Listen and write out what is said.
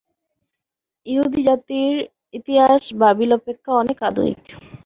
য়াহুদী জাতির ইতিহাস বাবিল অপেক্ষা অনেক আধুনিক।